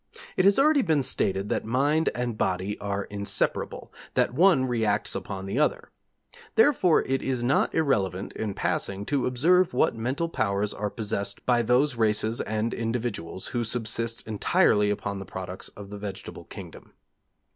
It has already been stated that mind and body are inseparable; that one reacts upon the other: therefore it is not irrelevant, in passing, to observe what mental powers are possessed by those races and individuals who subsist entirely upon the products of the vegetable kingdom.